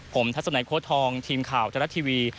ผมทัศนัยโค้ดทองทีมข่าวทะละทีวี